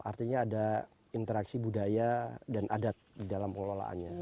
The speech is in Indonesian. artinya ada interaksi budaya dan adat di dalam pengelolaannya